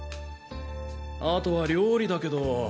あとは料理だけど。